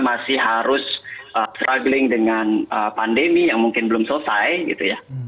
masih harus struggling dengan pandemi yang mungkin belum selesai gitu ya